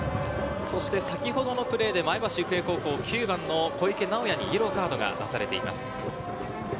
先ほどのプレーで前橋育英高校、９番の小池直矢にイエローカードが出されています。